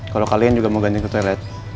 kalau kalian juga mau ganti ke toilet